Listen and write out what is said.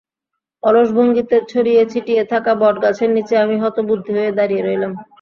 অলস ভঙ্গিতে ছড়িয়ে-ছিটিয়ে থাকা বটগাছের নিচে আমি হতবুদ্ধি হয়ে দাঁড়িয়ে রইলাম।